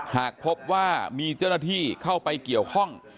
หากพบว่ามีเจ้าหน้าที่เข้าไปเกี่ยวข้อง